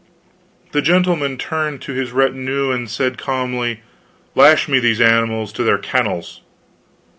The gentleman turned to his retinue and said calmly: "Lash me these animals to their kennels!"